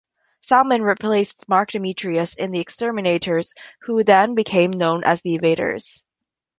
Salmon replaced Mark Demetrius in the Exterminators, who then became known as the Invaders.